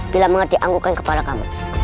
bila mengerti anggukan kepala kamu